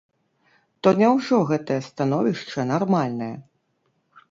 То няўжо гэтае становішча нармальнае?